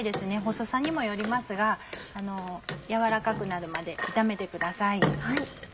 細さにもよりますが柔らかくなるまで炒めてください。